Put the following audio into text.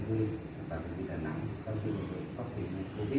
tại bệnh viện đà nẵng sống trong một đội phát triển covid